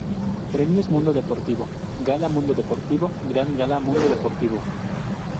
Premios Mundo Deportivo, Gala Mundo Deportivo, Gran Gala Mundo Deportivo.